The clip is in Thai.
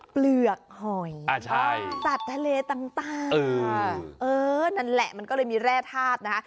เปลือกหอยสัตว์ทะเลต่างเออนั่นแหละมันก็เลยมีแร่ธาตุนะคะ